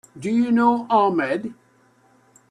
Do you know Ahmed?